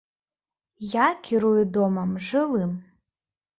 Я кірую домам жылым.